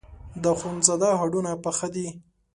د اخوندزاده هډونه پاخه دي.